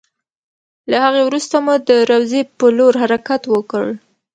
له هغې وروسته مو د روضې په لور حرکت وکړ.